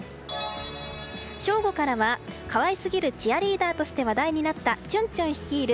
正午からは可愛すぎるチアリーダーとして話題になったチュンチュン率いる